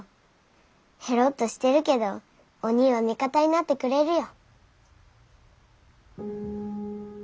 へろっとしてるけどおにぃは味方になってくれるよ。